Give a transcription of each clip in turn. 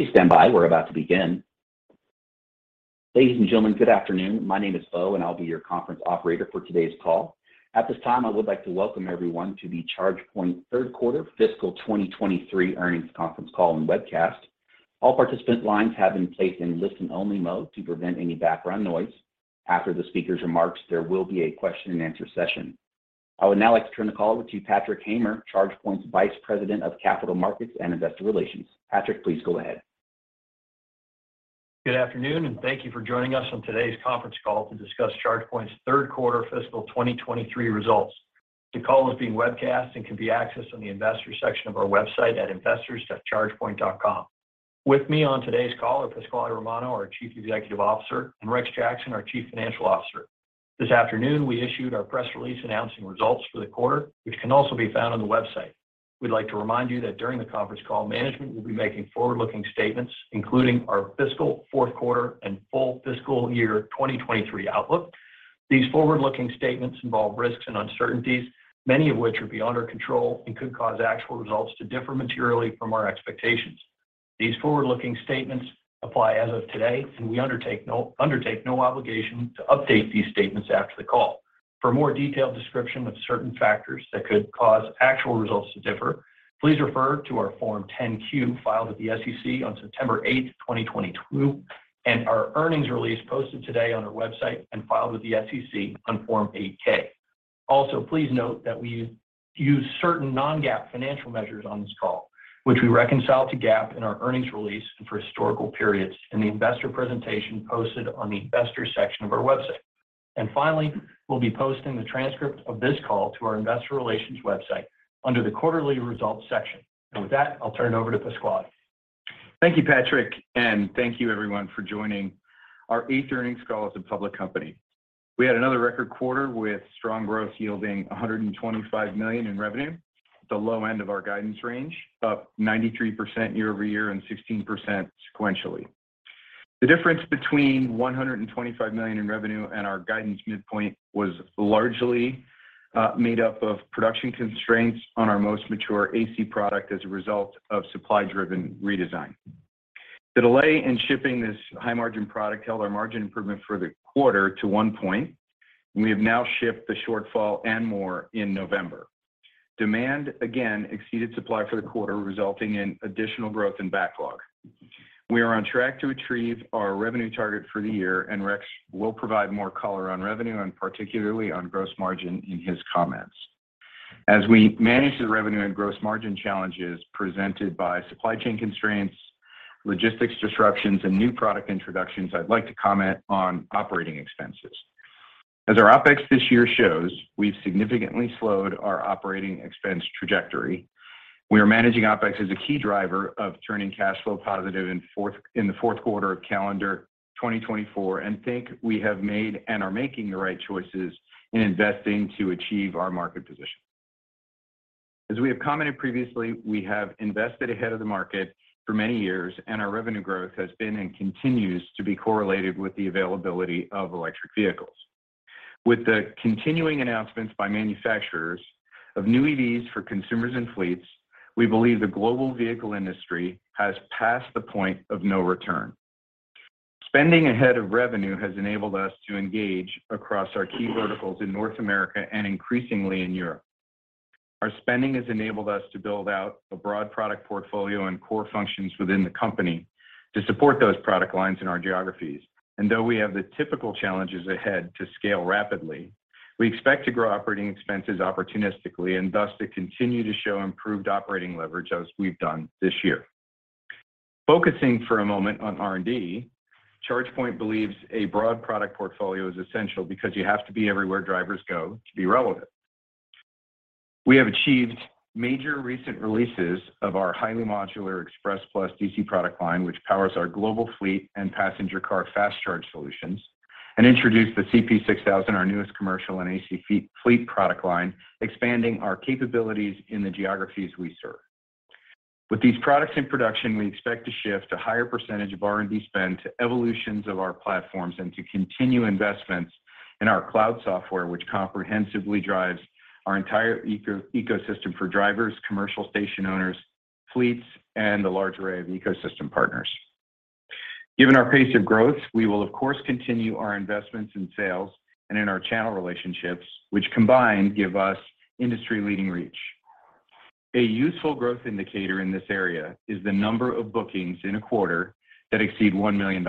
Please stand by. We're about to begin. Ladies and gentlemen, good afternoon. My name is Beau. I'll be your conference operator for today's call. At this time, I would like to welcome everyone to the ChargePoint third quarter fiscal 2023 earnings conference call and webcast. All participant lines have been placed in listen-only mode to prevent any background noise. After the speaker's remarks, there will be a question-and-answer session. I would now like to turn the call over to Patrick Hamer, ChargePoint's Vice President of Capital Markets and Investor Relations. Patrick, please go ahead. Good afternoon and thank you for joining us on today's conference call to discuss ChargePoint's third quarter fiscal 2023 results. The call is being webcast and can be accessed on the Investors section of our website at investors.chargepoint.com. With me on today's call are Pasquale Romano, our Chief Executive Officer, and Rex Jackson, our Chief Financial Officer. This afternoon, we issued our press release announcing results for the quarter, which can also be found on the website. We'd like to remind you that during the conference call, management will be making forward-looking statements, including our fiscal fourth quarter and full fiscal year 2023 outlook. These forward-looking statements involve risks and uncertainties, many of which are beyond our control and could cause actual results to differ materially from our expectations. These forward-looking statements apply as of today. We undertake no obligation to update these statements after the call. For a more detailed description of certain factors that could cause actual results to differ, please refer to our Form 10-Q filed with the SEC on September 8, 2022, and our earnings release posted today on our website and filed with the SEC on Form 8-K. Also, please note that we use certain non-GAAP financial measures on this call, which we reconcile to GAAP in our earnings release and for historical periods in the investor presentation posted on the Investors section of our website. Finally, we'll be posting the transcript of this call to our investor relations website under the Quarterly Results section. With that, I'll turn it over to Pasquale. Thank you, Patrick. Thank you everyone for joining our eighth earnings call as a public company. We had another record quarter with strong growth yielding $125 million in revenue at the low end of our guidance range, up 93% year-over-year and 16% sequentially. The difference between $125 million in revenue and our guidance midpoint was largely made up of production constraints on our most mature AC product as a result of supply-driven redesign. The delay in shipping this high-margin product held our margin improvement for the quarter to 1 point. We have now shipped the shortfall and more in November. Demand again exceeded supply for the quarter, resulting in additional growth and backlog. We are on track to achieve our revenue target for the year. Rex will provide more color on revenue and particularly on gross margin in his comments. As we manage the revenue and gross margin challenges presented by supply chain constraints, logistics disruptions, and new product introductions, I'd like to comment on operating expenses. As our OpEx this year shows, we've significantly slowed our operating expense trajectory. We are managing OpEx as a key driver of turning cash flow positive in the fourth quarter of calendar 2024. Think we have made and are making the right choices in investing to achieve our market position. As we have commented previously, we have invested ahead of the market for many years. Our revenue growth has been and continues to be correlated with the availability of electric vehicles. With the continuing announcements by manufacturers of new EVs for consumers and fleets, we believe the global vehicle industry has passed the point of no return. Spending ahead of revenue has enabled us to engage across our key verticals in North America and increasingly in Europe. Our spending has enabled us to build out a broad product portfolio and core functions within the company to support those product lines in our geographies. Though we have the typical challenges ahead to scale rapidly, we expect to grow operating expenses opportunistically and thus to continue to show improved operating leverage as we've done this year. Focusing for a moment on R&D, ChargePoint believes a broad product portfolio is essential because you have to be everywhere drivers go to be relevant. We have achieved major recent releases of our highly modular Express Plus DC product line, which powers our global fleet and passenger car fast charge solutions, and introduced the CP6000, our newest commercial and AC fleet product line, expanding our capabilities in the geographies we serve. With these products in production, we expect to shift a higher percentage of R&D spend to evolutions of our platforms and to continue investments in our cloud software, which comprehensively drives our entire ecosystem for drivers, commercial station owners, fleets, and a large array of ecosystem partners. Given our pace of growth, we will of course continue our investments in sales and in our channel relationships, which combined give us industry-leading reach. A useful growth indicator in this area is the number of bookings in a quarter that exceed $1 million.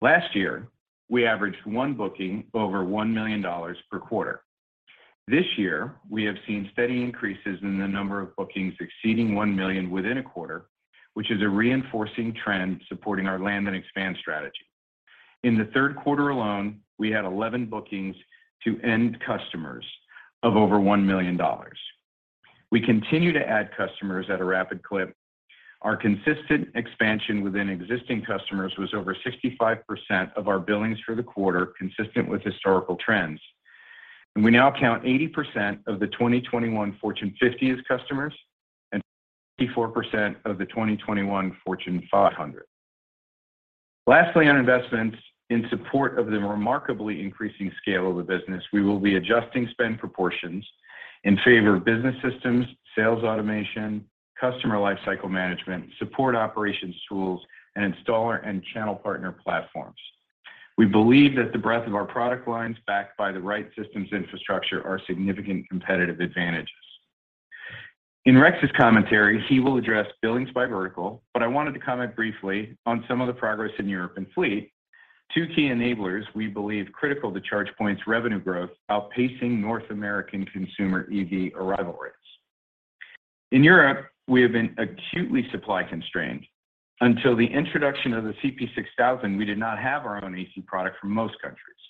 Last year, we averaged one booking over $1 million per quarter. This year, we have seen steady increases in the number of bookings exceeding $1 million within a quarter, which is a reinforcing trend supporting our land and expand strategy. In the third quarter alone, we had 11 bookings to end customers of over $1 million. We continue to add customers at a rapid clip. Our consistent expansion within existing customers was over 65% of our billings for the quarter, consistent with historical trends. We now count 80% of the 2021 Fortune 50 as customers and 64% of the 2021 Fortune 500. Lastly, on investments in support of the remarkably increasing scale of the business, we will be adjusting spend proportions in favor of business systems, sales automation, customer life cycle management, support operations tools, and installer and channel partner platforms. We believe that the breadth of our product lines backed by the right systems infrastructure are significant competitive advantages. In Rex's commentary, he will address billings by vertical, I wanted to comment briefly on some of the progress in Europe and fleet, two key enablers we believe critical to ChargePoint's revenue growth outpacing North American consumer EV arrival rates. In Europe, we have been acutely supply constrained. Until the introduction of the CP6000, we did not have our own AC product for most countries.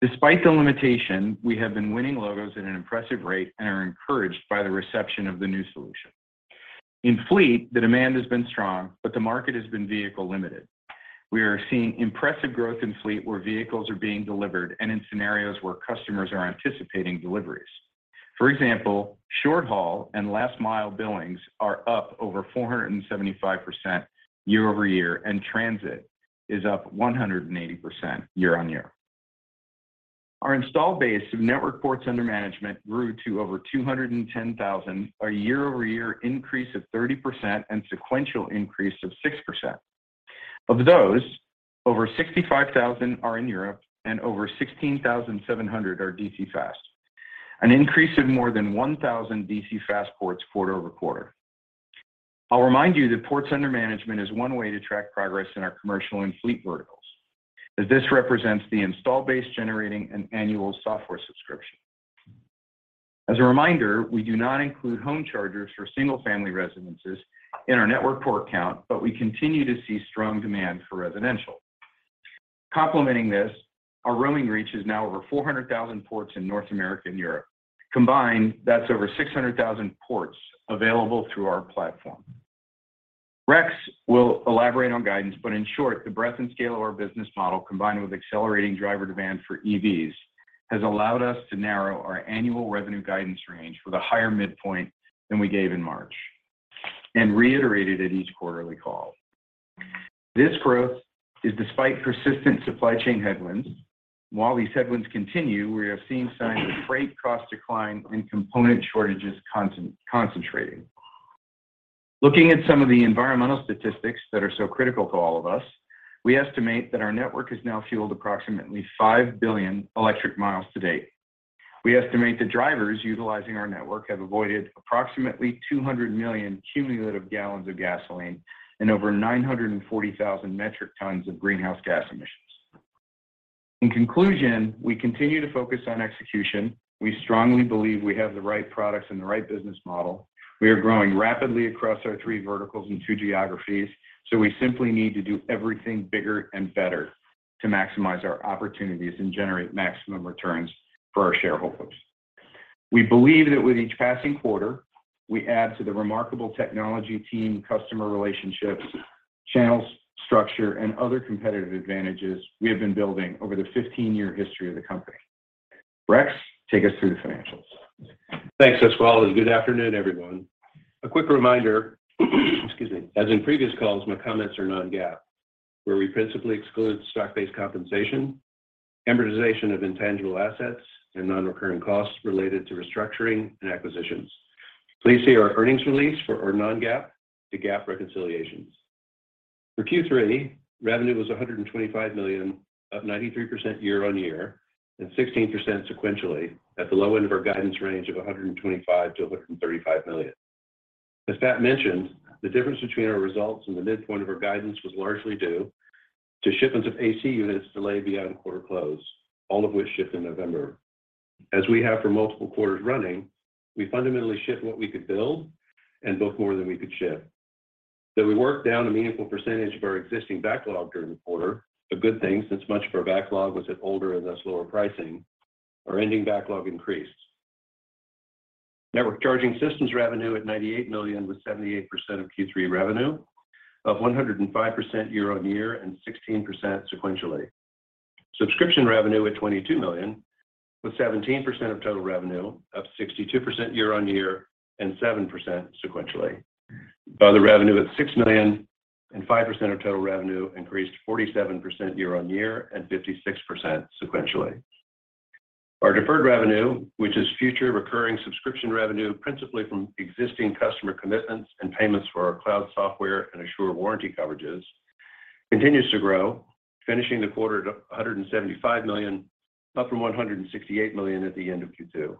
Despite the limitation, we have been winning logos at an impressive rate and are encouraged by the reception of the new solution. In fleet, the demand has been strong, the market has been vehicle limited. We are seeing impressive growth in fleet where vehicles are being delivered and in scenarios where customers are anticipating deliveries. For example, short haul and last mile billings are up over 475% year-over-year, and transit is up 180% year-on-year. Our installed base of network ports under management grew to over 210,000, a year-over-year increase of 30% and sequential increase of 6%. Of those, over 65,000 are in Europe and over 16,700 are DC fast, an increase of more than 1,000 DC fast ports quarter-over-quarter. I'll remind you that ports under management is one way to track progress in our commercial and fleet verticals, as this represents the install base generating an annual software subscription. As a reminder, we do not include home chargers for single family residences in our network port count, but we continue to see strong demand for residential. Complementing this, our roaming reach is now over 400,000 ports in North America and Europe. Combined, that's over 600,000 ports available through our platform. Rex will elaborate on guidance. In short, the breadth and scale of our business model, combined with accelerating driver demand for EVs, has allowed us to narrow our annual revenue guidance range with a higher midpoint than we gave in March and reiterated at each quarterly call. This growth is despite persistent supply chain headwinds. While these headwinds continue, we are seeing signs of freight cost decline and component shortages concentrating. Looking at some of the environmental statistics that are so critical to all of us, we estimate that our network has now fueled approximately 5 billion electric miles to date. We estimate the drivers utilizing our network have avoided approximately 200 million cumulative gallons of gasoline and over 940,000 metric tons of greenhouse gas emissions. In conclusion, we continue to focus on execution. We strongly believe we have the right products and the right business model. We are growing rapidly across our three verticals and two geographies, so we simply need to do everything bigger and better to maximize our opportunities and generate maximum returns for our shareholders. We believe that with each passing quarter, we add to the remarkable technology team, customer relationships, channels, structure, and other competitive advantages we have been building over the 15-year history of the company. Rex, take us through the financials. Thanks, Pasquale. Good afternoon, everyone. A quick reminder, excuse me, as in previous calls, my comments are non-GAAP, where we principally exclude stock-based compensation, amortization of intangible assets, and non-recurring costs related to restructuring and acquisitions. Please see our earnings release for our non-GAAP to GAAP reconciliations. For Q3, revenue was $125 million, up 93% year-on-year and 16% sequentially at the low end of our guidance range of $125 million-$135 million. As Pat mentioned, the difference between our results and the midpoint of our guidance was largely due to shipments of AC units delayed beyond quarter close, all of which shipped in November. As we have for multiple quarters running, we fundamentally ship what we could build and book more than we could ship. Though we worked down a meaningful percentage of our existing backlog during the quarter, a good thing since much of our backlog was at older and thus lower pricing, our ending backlog increased. Network charging systems revenue at $98 million, with 78% of Q3 revenue, up 105% year-over-year and 16% sequentially. Subscription revenue at $22 million, with 17% of total revenue, up 62% year-over-year and 7% sequentially. Other revenue at $6 million and 5% of total revenue increased 47% year-over-year and 56% sequentially. Our deferred revenue, which is future recurring subscription revenue principally from existing customer commitments and payments for our cloud software and Assure warranty coverages, continues to grow, finishing the quarter at $175 million, up from $168 million at the end of Q2.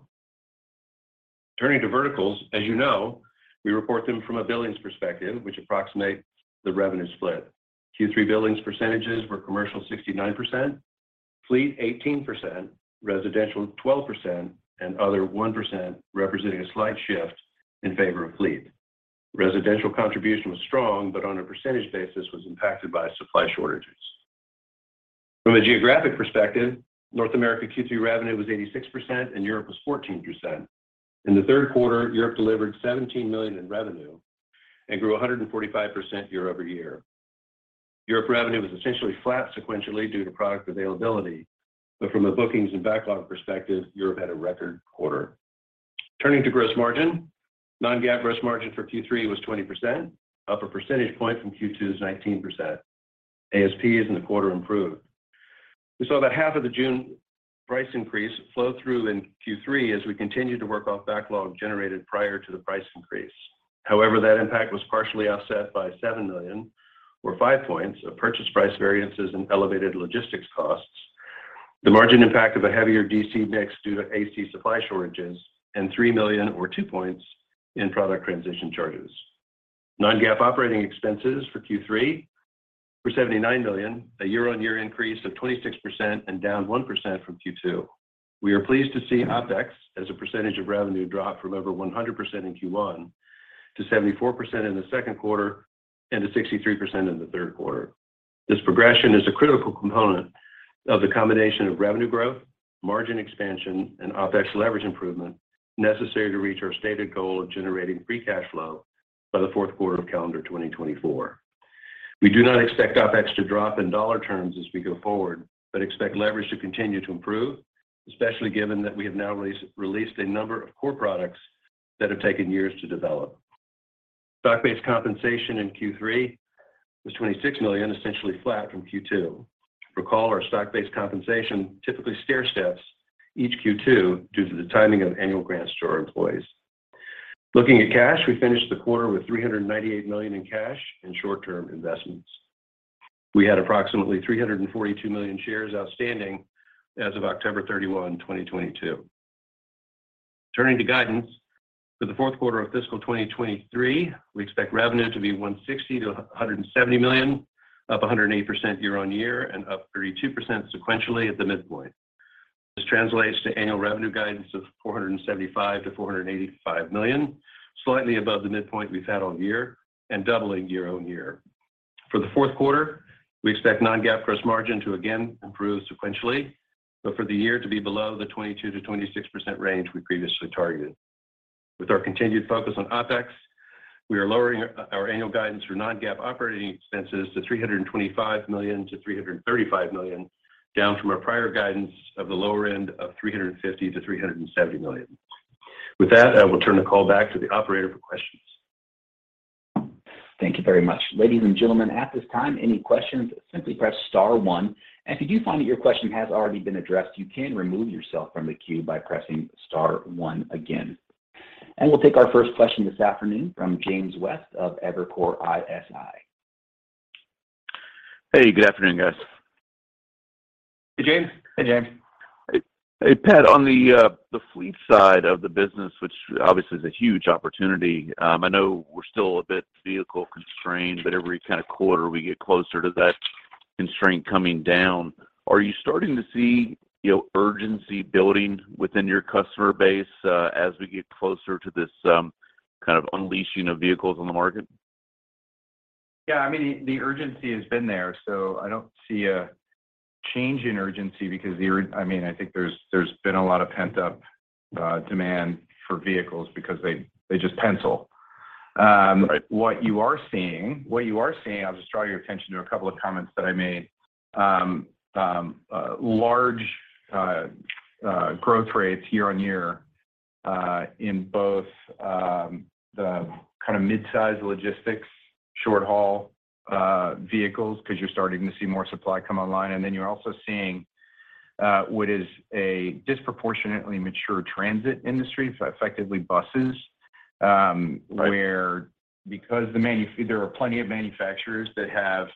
Turning to verticals, as you know, we report them from a billings perspective, which approximate the revenue split. Q3 billings percentages were commercial, 69%, fleet, 18%, residential, 12%, and other, 1%, representing a slight shift in favor of fleet. Residential contribution was strong, but on a percentage basis was impacted by supply shortages. From a geographic perspective, North America Q3 revenue was 86% and Europe was 14%. In the third quarter, Europe delivered $17 million in revenue and grew 145% year-over-year. Europe revenue was essentially flat sequentially due to product availability, but from a bookings and backlog perspective, Europe had a record quarter. Turning to gross margin. Non-GAAP gross margin for Q3 was 20%, up a percentage point from Q2's 19%. ASPs in the quarter improved. We saw about half of the June price increase flow through in Q3 as we continued to work off backlog generated prior to the price increase. That impact was partially offset by $7 million, or 5 points, of purchase price variances and elevated logistics costs. The margin impact of a heavier DC mix due to AC supply shortages and $3 million or 2 points in product transition charges. Non-GAAP operating expenses for Q3 were $79 million, a year-on-year increase of 26% and down 1% from Q2. We are pleased to see OpEx as a percentage of revenue drop from over 100% in Q1 to 74% in the second quarter and to 63% in the third quarter. This progression is a critical component of the combination of revenue growth, margin expansion and OpEx leverage improvement necessary to reach our stated goal of generating free cash flow by the fourth quarter of calendar 2024. We do not expect OpEx to drop in dollar terms as we go forward. Expect leverage to continue to improve, especially given that we have now released a number of core products that have taken years to develop. Stock-based compensation in Q3 was $26 million, essentially flat from Q2. Recall our stock-based compensation typically stairsteps each Q2 due to the timing of annual grants to our employees. Looking at cash, we finished the quarter with $398 million in cash and short-term investments. We had approximately 342 million shares outstanding as of October 31, 2022. Turning to guidance. For the fourth quarter of fiscal 2023, we expect revenue to be $160 million-$170 million, up 108% year-on-year and up 32% sequentially at the midpoint. This translates to annual revenue guidance of $475 million-$485 million, slightly above the midpoint we've had all year and doubling year-on-year. For the fourth quarter, we expect non-GAAP gross margin to again improve sequentially, but for the year to be below the 22%-26% range we previously targeted. With our continued focus on OpEx, we are lowering our annual guidance for non-GAAP operating expenses to $325 million-$335 million, down from our prior guidance of the lower end of $350 million-$370 million. With that, I will turn the call back to the operator for questions. Thank you very much. Ladies and gentlemen, at this time, any questions, simply press star one, and if you find that your question has already been addressed, you can remove yourself from the queue by pressing star one again. We'll take our first question this afternoon from James West of Evercore ISI. Hey, good afternoon, guys. Hey, James. Hey, James. Hey, Pat, on the fleet side of the business, which obviously is a huge opportunity, I know we're still a bit vehicle constrained, but every kind of quarter we get closer to that constraint coming down. Are you starting to see, you know, urgency building within your customer base, as we get closer to this kind of unleashing of vehicles on the market? I mean, the urgency has been there. I don't see a change in urgency because I mean, I think there's been a lot of pent-up demand for vehicles because they just pencil. Right... what you are seeing, I'll just draw your attention to a couple of comments that I made. Large growth rates year-on-year in both the kind of mid-size logistics, short haul vehicles, 'cause you're starting to see more supply come online. You're also seeing what is a disproportionately mature transit industry, so effectively buses. Right... where because there are plenty of manufacturers that have,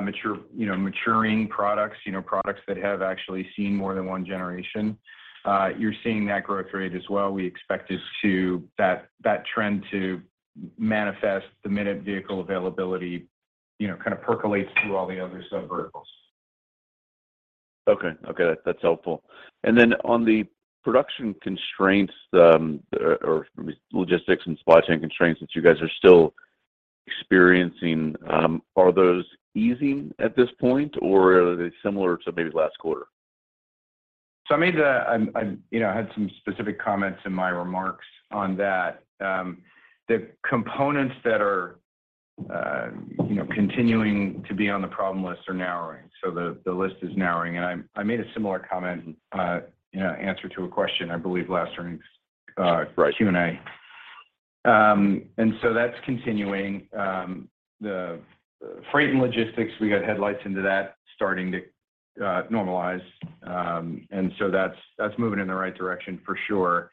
mature, you know, maturing products, you know, products that have actually seen more than one generation. You're seeing that growth rate as well. We expect this to, that trend to manifest the minute vehicle availability, you know, kind of percolates through all the other sub verticals. Okay. Okay, that's helpful. On the production constraints, or logistics and supply chain constraints that you guys are still experiencing, are those easing at this point, or are they similar to maybe last quarter? I, you know, had some specific comments in my remarks on that. The components that are, you know, continuing to be on the problem list are narrowing. The list is narrowing, and I made a similar comment in answer to a question, I believe, last earnings- Right Q&A. That's continuing. The freight and logistics, we got headlights into that starting to normalize. That's, that's moving in the right direction for sure.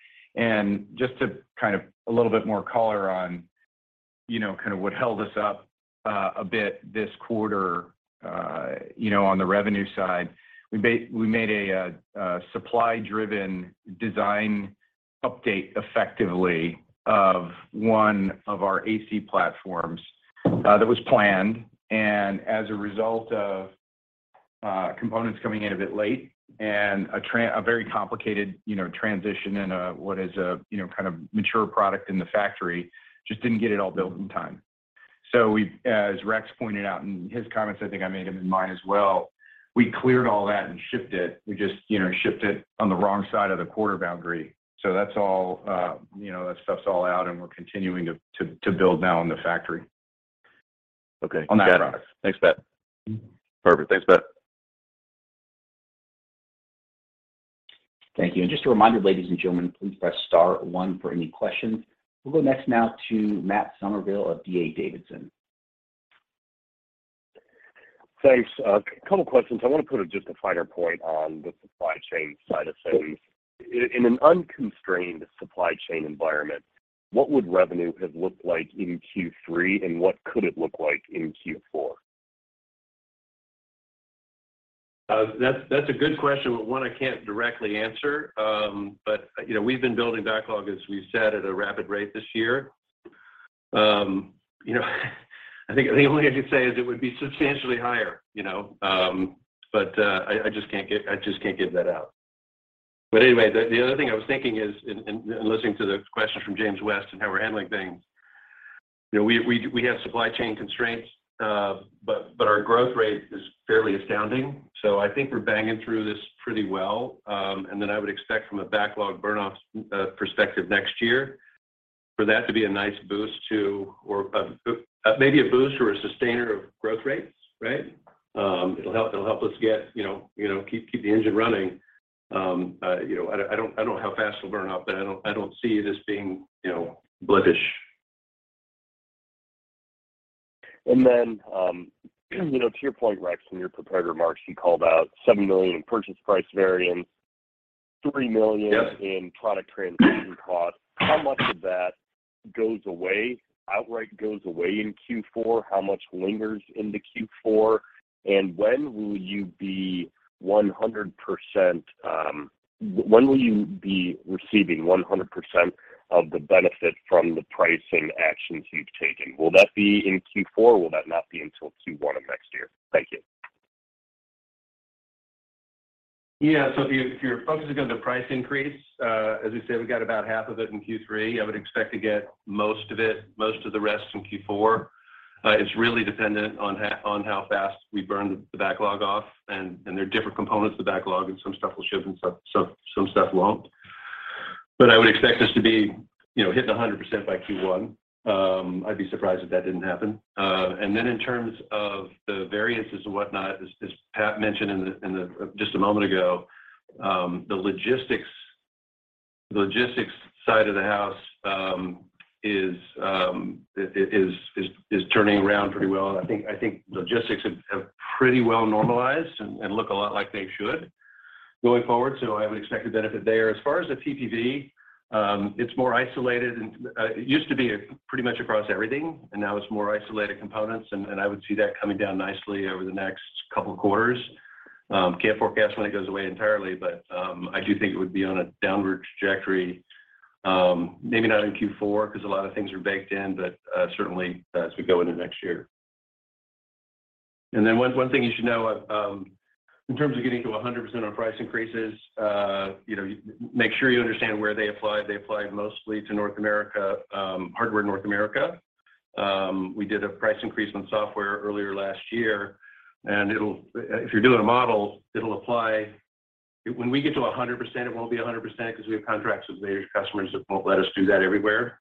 Just to kind of a little bit more color on, you know, kind of what held us up a bit this quarter, you know, on the revenue side, we made a supply-driven design update effectively of one of our AC platforms that was planned. As a result of components coming in a bit late and a very complicated, you know, transition in a, what is a, you know, kind of mature product in the factory, just didn't get it all built in time. We, as Rex pointed out in his comments, I think I made them in mine as well, we cleared all that and shipped it. We just, you know, shipped it on the wrong side of the quarter boundary. That's all, you know, that stuff's all out and we're continuing to build now in the factory. Okay. On that product. Thanks, Pat. Perfect. Thanks, Pat. Thank you. Just a reminder, ladies and gentlemen, please press star one for any questions. We'll go next now to Matt Summerville of D.A. Davidson. Thanks. A couple questions. I want to put just a finer point on the supply chain side of things. In an unconstrained supply chain environment, what would revenue have looked like in Q3, and what could it look like in Q4? That's a good question, but one I can't directly answer. You know, we've been building backlog, as we've said, at a rapid rate this year. You know, I think the only I could say is it would be substantially higher, you know? But I just can't give that out. Anyway, the other thing I was thinking is in listening to the questions from James West and how we're handling things, you know, we have supply chain constraints, but our growth rate is fairly astounding. I think we're banging through this pretty well. Then I would expect from a backlog burn off perspective next year for that to be a nice boost to or maybe a boost or a sustainer of growth rates, right? It'll help us get, you know, keep the engine running. You know, I don't know how fast it'll burn off, but I don't see this being, you know, brutish. You know, to your point, Rex, in your prepared remarks, you called out $7 million in purchase price variance. Yeah... in product transition costs. How much of that goes away, outright goes away in Q4? How much lingers into Q4? When will you be 100% receiving 100% of the benefit from the pricing actions you've taken? Will that be in Q4, or will that not be until Q1 of next year? Thank you. If you're, if you're focusing on the price increase, as we said, we got about half of it in Q3. I would expect to get most of it, most of the rest in Q4. It's really dependent on how fast we burn the backlog off, and there are different components of the backlog, and some stuff will ship, some stuff won't. I would expect us to be, you know, hitting 100% by Q1. I'd be surprised if that didn't happen. In terms of the variances and whatnot, as Pat mentioned just a moment ago, the logistics, the logistics side of the house is turning around pretty well. I think logistics have pretty well normalized and look a lot like they should going forward, so I would expect a benefit there. As far as the PPV, it's more isolated and it used to be pretty much across everything, and now it's more isolated components and I would see that coming down nicely over the next couple quarters. Can't forecast when it goes away entirely, but I do think it would be on a downward trajectory, maybe not in Q4 'cause a lot of things are baked in, but certainly as we go into next year. One thing you should know, in terms of getting to 100% on price increases, you know, make sure you understand where they apply. They apply mostly to North America, hardware in North America. We did a price increase on software earlier last year, and if you're doing a model, it'll apply when we get to 100%, it won't be 100% 'cause we have contracts with major customers that won't let us do that everywhere.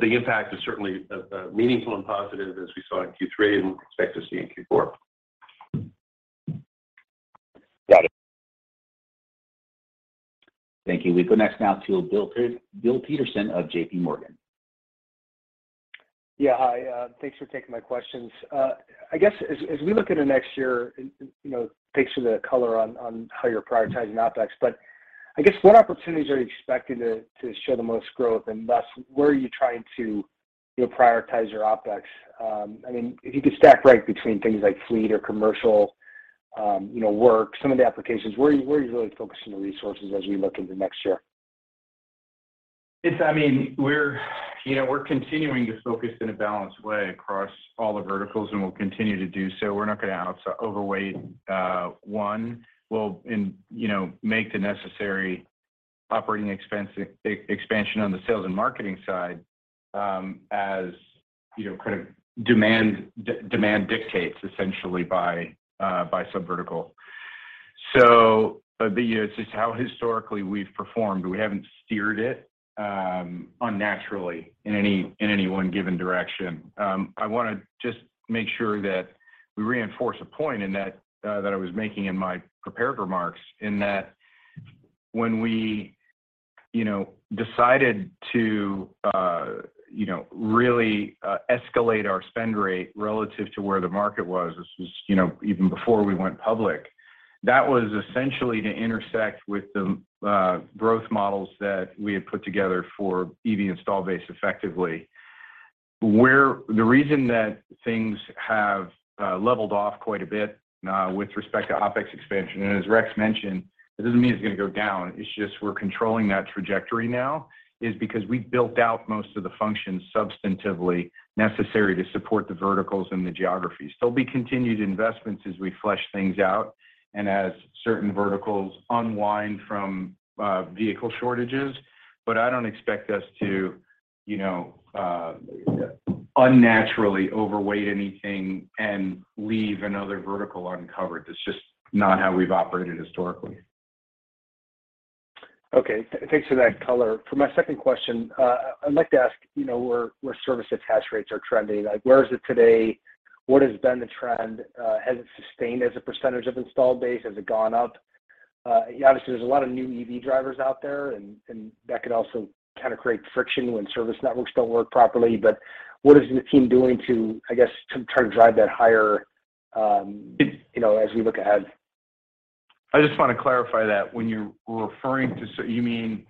The impact is certainly meaningful and positive as we saw in Q3 and expect to see in Q4. Got it. Thank you. We go next now to Bill Peterson of JPMorgan. Yeah. Hi. Thanks for taking my questions. I guess as we look into next year, you know, thanks for the color on how you're prioritizing OpEx. I guess what opportunities are you expecting to show the most growth and thus where are you trying to, you know, prioritize your OpEx? I mean, if you could stack rank between things like fleet or commercial, you know, work, some of the applications. Where are you really focusing the resources as we look into next year? I mean, we're, you know, we're continuing to focus in a balanced way across all the verticals, and we'll continue to do so. We're not gonna overweigh one. We'll, you know, make the necessary operating expense expansion on the sales and marketing side, as, you know, kind of demand dictates essentially by subvertical. It's just how historically we've performed. We haven't steered it unnaturally in any, in any one given direction. I wanna just make sure that we reinforce a point in that I was making in my prepared remarks in that when we, you know, decided to, you know, really, escalate our spend rate relative to where the market was, this was, you know, even before we went public, that was essentially to intersect with the, growth models that we had put together for EV install base effectively. The reason that things have leveled off quite a bit, with respect to OpEx expansion, and as Rex mentioned, it doesn't mean it's gonna go down, it's just we're controlling that trajectory now, is because we've built out most of the functions substantively necessary to support the verticals and the geographies. There'll be continued investments as we flesh things out and as certain verticals unwind from, vehicle shortages. I don't expect us to, you know, unnaturally overweight anything and leave another vertical uncovered. That's just not how we've operated historically. Okay. Thanks for that color. For my second question, I'd like to ask, you know, where service attach rates are trending. Like, where is it today? What has been the trend? Has it sustained as a percentage of installed base? Has it gone up? Obviously, there's a lot of new EV drivers out there, and that could also kind of create friction when service networks don't work properly. What is the team doing to, I guess, to try to drive that higher, you know, as we look ahead? I just want to clarify that. When you're referring to, you mean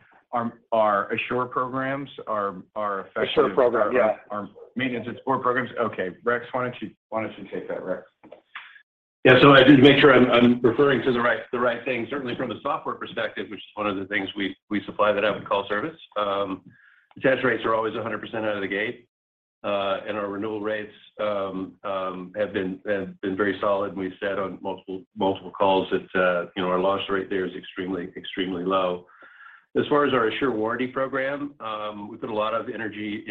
our Assure programs, our effective... Assure program, yeah.... our maintenance and support programs. Okay. Rex, why don't you take that, Rex? Yeah. Just to make sure I'm referring to the right thing. Certainly, from a software perspective, which is one of the things we supply that have a call service, attach rates are always 100% out of the gate. Our renewal rates have been very solid. We've said on multiple calls that, you know, our loss rate there is extremely low. As far as our Assure warranty program, we put a lot of energy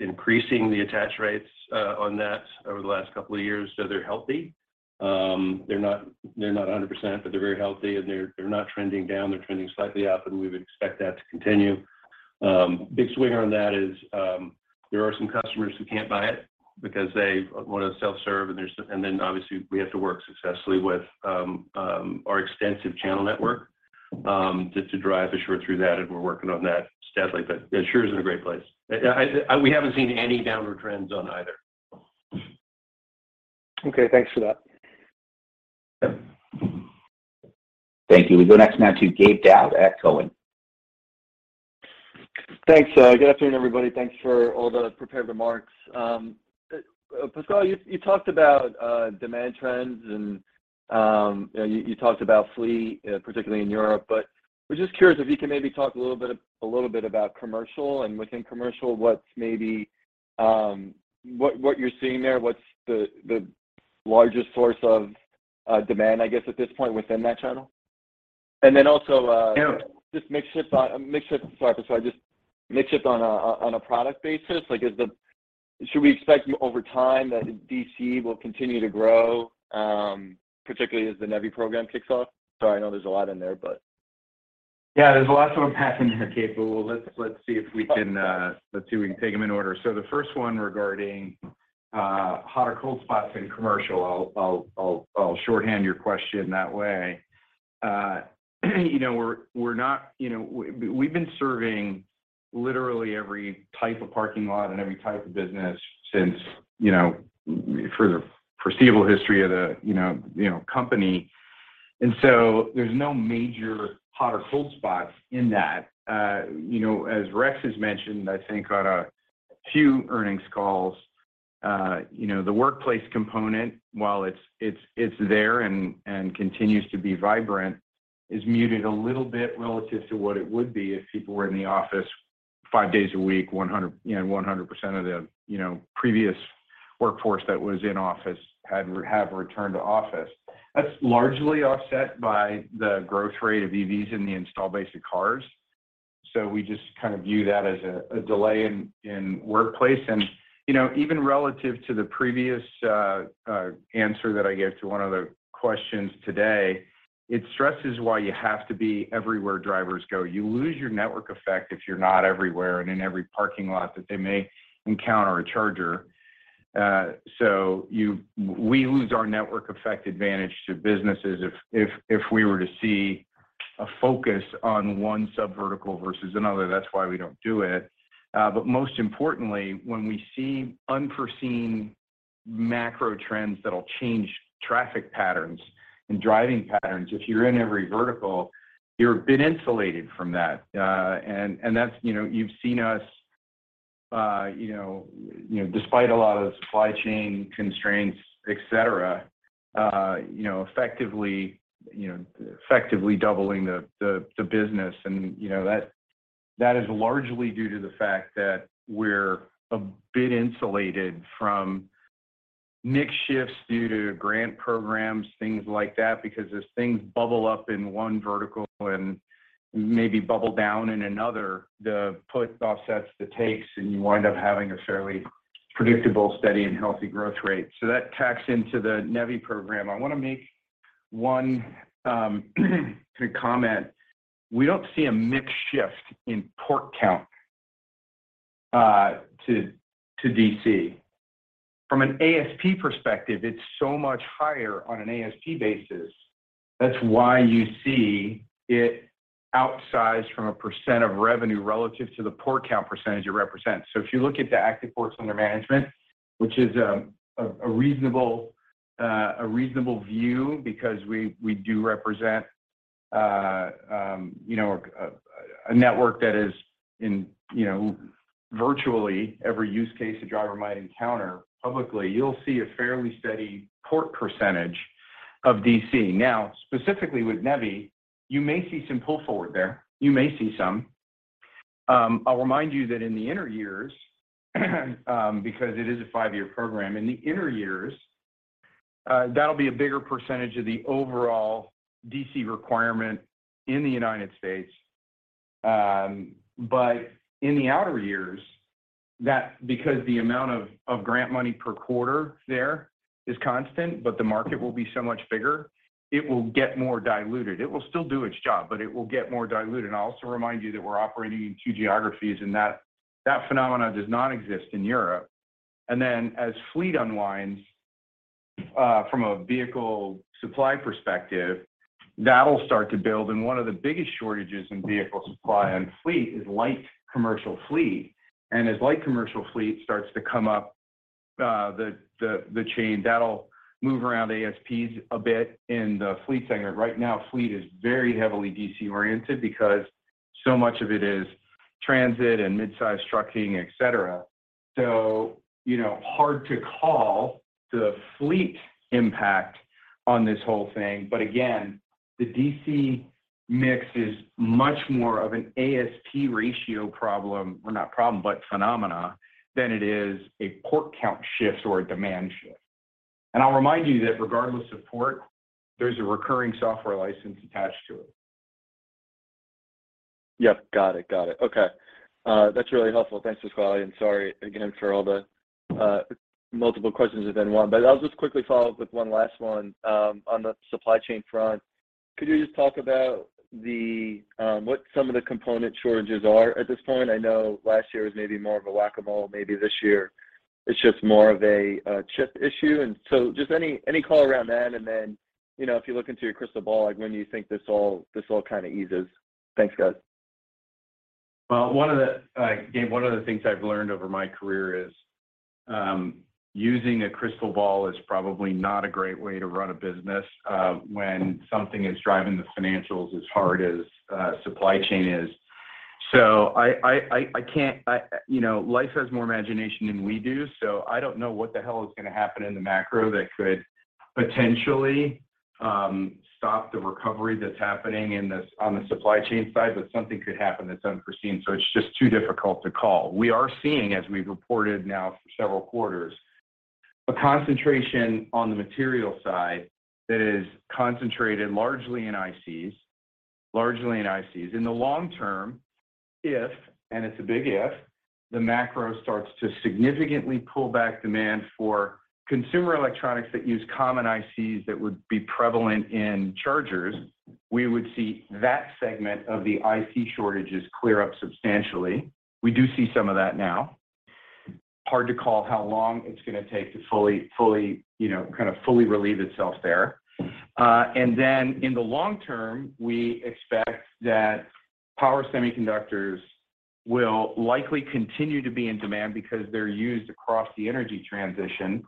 into increasing the attach rates on that over the last couple of years. They're healthy. They're not 100%, but they're very healthy, and they're not trending down. They're trending slightly up, and we would expect that to continue. Big swing on that is, there are some customers who can't buy it because they wanna self-serve, and then obviously, we have to work successfully with our extensive channel network to drive Assure through that, and we're working on that steadily. Assure is in a great place. We haven't seen any downward trends on either. Okay. Thanks for that. Yep. Thank you. We go next now to Gabe Daoud at Cowen. Thanks. Good afternoon, everybody. Thanks for all the prepared remarks. Pasquale, you talked about demand trends and you know, you talked about fleet, particularly in Europe. I was just curious if you can maybe talk a little bit about commercial, and within commercial, what's maybe what you're seeing there. What's the largest source of demand, I guess, at this point within that channel? Also- Yeah... just mix shifts... Sorry, Pasquale. Just mix shifts on a product basis. Like, should we expect you over time that DC will continue to grow, particularly as the NEVI program kicks off? Sorry, I know there's a lot in there, but... There's a lot to unpack there, Gabe. Let's see if we can take them in order. The first one regarding hot or cold spots in commercial. I'll shorthand your question that way. You know, we're not, you know, we've been serving literally every type of parking lot and every type of business since, you know, for the foreseeable history of the, you know, company. There's no major hot or cold spots in that. You know, as Rex has mentioned, I think on a few earnings calls, you know, the workplace component, while it's, it's there and continues to be vibrant, is muted a little bit relative to what it would be if people were in the office five days a week, 100%, you know, 100% of the, you know, previous workforce that was in office have returned to office. That's largely offset by the growth rate of EVs in the installed base of cars. We just kind of view that as a delay in workplace. You know, even relative to the previous answer that I gave to one of the questions today, it stresses why you have to be everywhere drivers go. You lose your network effect if you're not everywhere and in every parking lot that they may encounter a charger. We lose our network effect advantage to businesses if we were to see a focus on one sub-vertical versus another. That's why we don't do it. Most importantly, when we see unforeseen macro trends that'll change traffic patterns and driving patterns, if you're in every vertical, you're a bit insulated from that. That's, you know... You've seen us, you know, despite a lot of supply chain constraints, et cetera, effectively doubling the business. You know, that is largely due to the fact that we're a bit insulated from mix shifts due to grant programs, things like that. Because as things bubble up in one vertical and maybe bubble down in another, the puts offsets the takes, and you wind up having a fairly predictable, steady, and healthy growth rate. That tacks into the NEVI program. I wanna make one quick comment. We don't see a mix shift in port count to DC. From an ASP perspective, it's so much higher on an ASP basis. That's why you see it outsized from a percent of revenue relative to the port count percentage it represents. If you look at the active ports under management, which is a reasonable view because we do represent, you know, a network that is in, you know, virtually every use case a driver might encounter publicly, you'll see a fairly steady port percentage of DC. Specifically with NEVI, you may see some pull forward there. You may see some. I'll remind you that in the inner years, because it is a five-year program. In the inner years, that'll be a bigger percentage of the overall DC requirement in the United States. In the outer years, because the amount of grant money per quarter there is constant, but the market will be so much bigger, it will get more diluted. It will still do its job, but it will get more diluted. I'll also remind you that we're operating in two geographies, and that phenomena does not exist in Europe. As fleet unwinds, from a vehicle supply perspective, that'll start to build. One of the biggest shortages in vehicle supply and fleet is light commercial fleet. As light commercial fleet starts to come up the chain, that'll move around ASPs a bit in the fleet segment. Right now, fleet is very heavily DC-oriented because so much of it is transit and mid-size trucking, et cetera. You know, hard to call the fleet impact on this whole thing. Again, the DC mix is much more of an ASP ratio problem, or not problem, but phenomena than it is a port count shift or a demand shift. I'll remind you that regardless of port, there's a recurring software license attached to it. Yep. Got it. Got it. Okay. That's really helpful. Thanks, Pasquale. Sorry again for all the multiple questions within one. I'll just quickly follow up with one last one on the supply chain front. Could you just talk about what some of the component shortages are at this point? I know last year was maybe more of a whack-a-mole. Maybe this year it's just more of a chip issue. Just any call around that, and then, you know, if you look into your crystal ball, like when you think this all kind of eases. Thanks, guys. Well, one of the Gabe, one of the things I've learned over my career is, using a crystal ball is probably not a great way to run a business, when something is driving the financials as hard as supply chain is. I can't, you know, life has more imagination than we do, so I don't know what the hell is gonna happen in the macro that could potentially stop the recovery that's happening on the supply chain side, but something could happen that's unforeseen, so it's just too difficult to call. We are seeing, as we've reported now for several quarters, a concentration on the material side that is concentrated largely in ICs. In the long term, if, it's a big if, the macro starts to significantly pull back demand for consumer electronics that use common ICs that would be prevalent in chargers, we would see that segment of the IC shortages clear up substantially. We do see some of that now. Hard to call how long it's gonna take to fully, you know, kind of fully relieve itself there. Then in the long term, we expect that power semiconductors will likely continue to be in demand because they're used across the energy transition.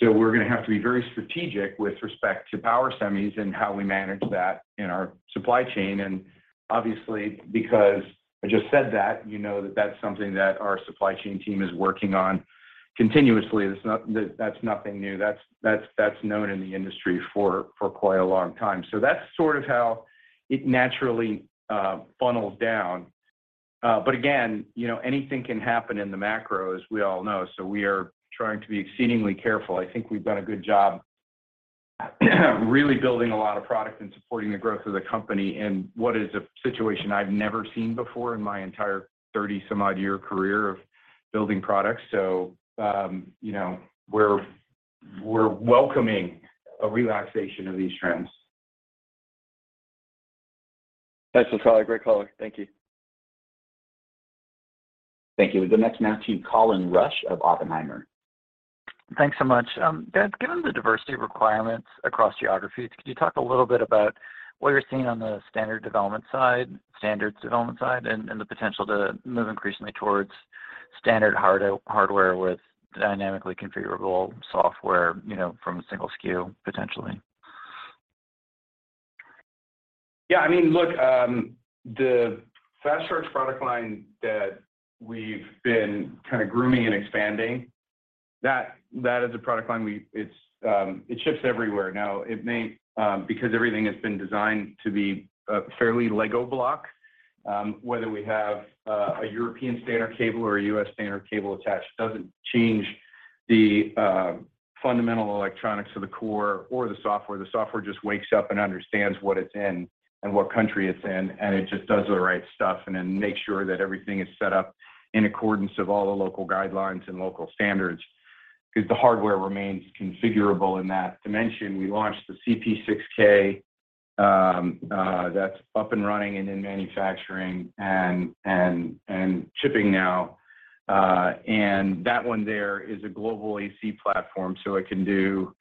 We're gonna have to be very strategic with respect to power semis and how we manage that in our supply chain. Obviously, because I just said that, you know that that's something that our supply chain team is working on continuously. That's nothing new. That's known in the industry for quite a long time. That's sort of how it naturally funnels down. Again, you know, anything can happen in the macro, as we all know, so we are trying to be exceedingly careful. I think we've done a good job really building a lot of product and supporting the growth of the company in what is a situation I've never seen before in my entire 30 some odd year career of building products. You know, we're welcoming a relaxation of these trends. Thanks, Pasquale. Great color. Thank you. Thank you. The next now to Colin Rusch of Oppenheimer. Thanks so much. Pat, given the diversity of requirements across geographies, could you talk a little bit about what you're seeing on the standards development side and the potential to move increasingly towards standard hardware with dynamically configurable software, you know, from a single SKU potentially? Yeah, I mean, look, the Fast Charge product line that we've been kind of grooming and expanding, that is a product line it ships everywhere now. It may, because everything has been designed to be fairly Lego block, whether we have a European standard cable or a U.S. standard cable attached, it doesn't change the fundamental electronics of the core or the software. The software just wakes up and understands what it's in and what country it's in, it just does the right stuff then makes sure that everything is set up in accordance of all the local guidelines and local standards, because the hardware remains configurable in that dimension. We launched the CP6000, that's up and running and in manufacturing and shipping now. That one there is a global AC platform, so it can do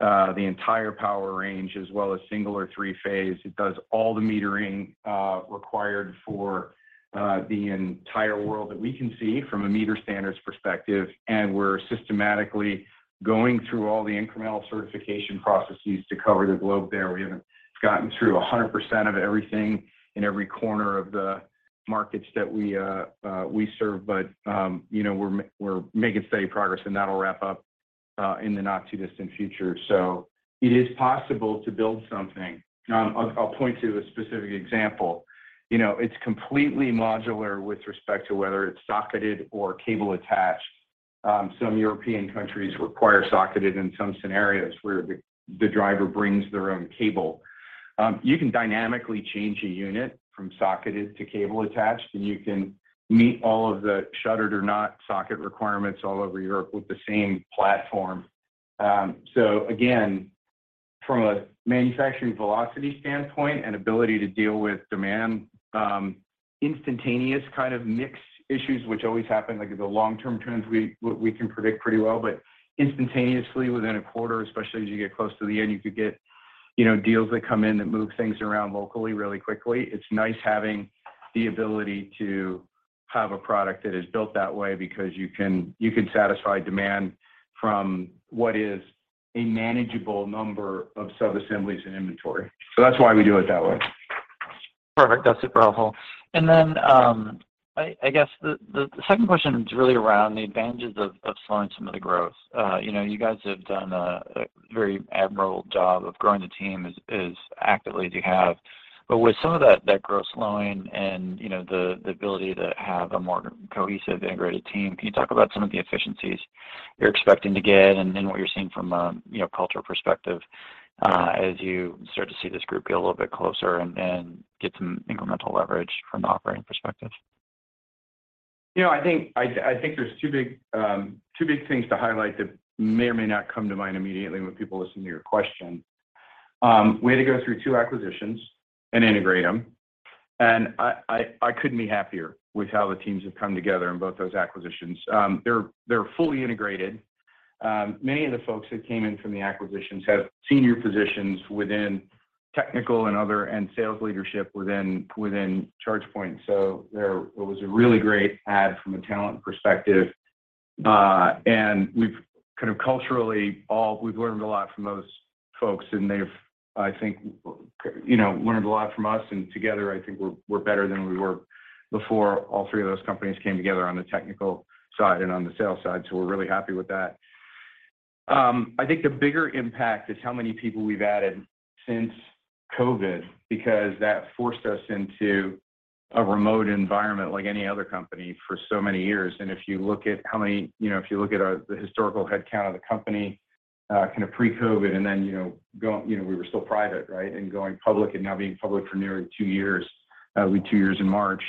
the entire power range as well as single or three-phase. It does all the metering required for the entire world that we can see from a meter standards perspective. We're systematically going through all the incremental certification processes to cover the globe there. We haven't gotten through 100% of everything in every corner of the markets that we serve, but, you know, we're making steady progress, and that'll wrap up in the not too distant future. It is possible to build something. I'll point to a specific example. You know, it's completely modular with respect to whether it's socketed or cable attached. Some European countries require socketed in some scenarios where the driver brings their own cable. You can dynamically change a unit from socketed to cable attached, and you can meet all of the shuttered or not socket requirements all over Europe with the same platform. Again, from a manufacturing velocity standpoint and ability to deal with demand, instantaneous kind of mix issues which always happen, like the long-term trends we can predict pretty well. Instantaneously, within a quarter, especially as you get close to the end, you could get, you know, deals that come in that move things around locally really quickly. It's nice having the ability to have a product that is built that way because you can satisfy demand from what is a manageable number of sub-assemblies and inventory. That's why we do it that way. Perfect. That's super helpful. Then, I guess the second question is really around the advantages of slowing some of the growth. You know, you guys have done a very admirable job of growing the team as actively as you have. With some of that growth slowing and, you know, the ability to have a more cohesive, integrated team, can you talk about some of the efficiencies you're expecting to get and what you're seeing from a, you know, cultural perspective, as you start to see this group get a little bit closer and get some incremental leverage from an operating perspective? You know, I think there's two big, two big things to highlight that may or may not come to mind immediately when people listen to your question. We had to go through two acquisitions and integrate them, and I couldn't be happier with how the teams have come together in both those acquisitions. They're fully integrated. Many of the folks that came in from the acquisitions have senior positions within technical and other, and sales leadership within ChargePoint. It was a really great add from a talent perspective. We've kind of culturally we've learned a lot from those folks, and they've, I think, you know, learned a lot from us, and together I think we're better than we were before all three of those companies came together on the technical side and on the sales side, so we're really happy with that. I think the bigger impact is how many people we've added since COVID, because that forced us into a remote environment like any other company for so many years. If you look at how many, you know, if you look at the historical headcount of the company, kind of pre-COVID and then, you know, we were still private, right? Going public and now being public for nearly two years, we two years in March.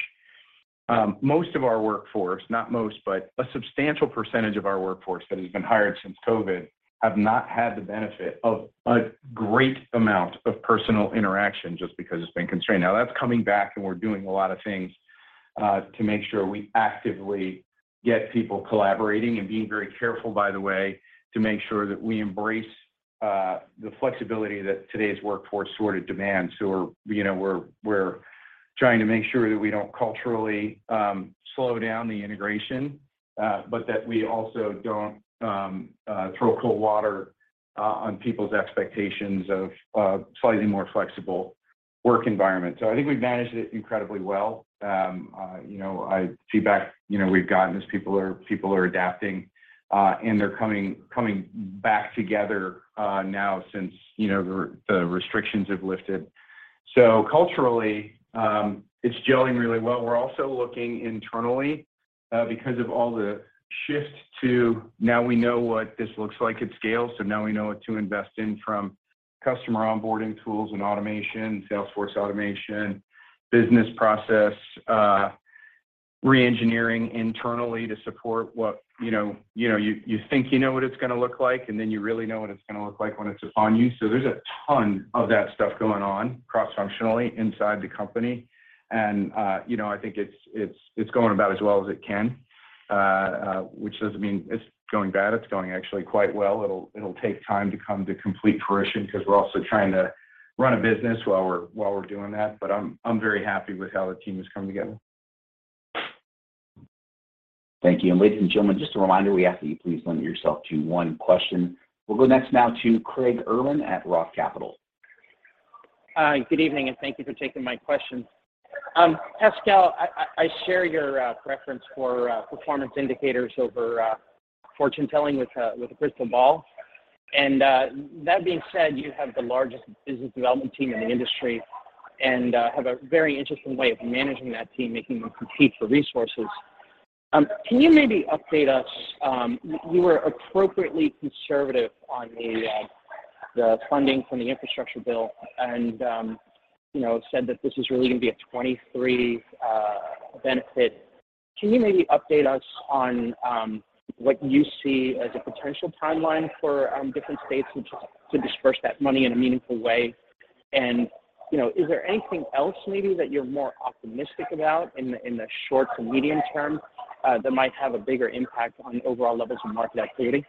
Most of our workforce, not most, but a substantial percentage of our workforce that has been hired since COVID have not had the benefit of a great amount of personal interaction just because it's been constrained. Now that's coming back, and we're doing a lot of things to make sure we actively get people collaborating and being very careful, by the way, to make sure that we embrace the flexibility that today's workforce sort of demands. We're, you know, we're trying to make sure that we don't culturally slow down the integration, but that we also don't throw cold water on people's expectations of a slightly more flexible work environment. I think we've managed it incredibly well. You know, feedback, you know, we've gotten is people are adapting, and they're coming back together, now since, you know, the restrictions have lifted. Culturally, it's gelling really well. We're also looking internally, because of all the shifts to now we know what this looks like at scale, so now we know what to invest in from customer onboarding tools and automation, sales force automation, business process re-engineering internally to support what, you know... You know, you think you know what it's gonna look like, and then you really know what it's gonna look like when it's upon you. There's a ton of that stuff going on cross-functionally inside the company. You know, I think it's going about as well as it can, which doesn't mean it's going bad. It's going actually quite well. It'll take time to come to complete fruition 'cause we're also trying to run a business while we're doing that, but I'm very happy with how the team has come together. Thank you. Ladies and gentlemen, just a reminder, we ask that you please limit yourself to one question. We'll go next now to Craig Irwin at ROTH Capital. Good evening and thank you for taking my question. Pasquale, I share your preference for performance indicators over fortune telling with a crystal ball. That being said, you have the largest business development team in the industry and have a very interesting way of managing that team, making them compete for resources. Can you maybe update us, you were appropriately conservative on the funding from the infrastructure bill and, you know, said that this is really gonna be a 2023 benefit. Can you maybe update us on what you see as a potential timeline for different states to disperse that money in a meaningful way? You know, is there anything else maybe that you're more optimistic about in the, in the short to medium term, that might have a bigger impact on the overall levels of market activity?